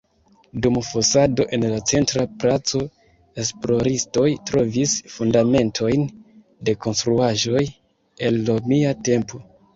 Dum fosado en la centra placo, esploristoj trovis fundamentojn de konstruaĵoj el Romia tempo.